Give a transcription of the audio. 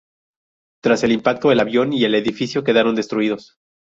Tras el impacto, el avión y el edificio quedaron destruidos.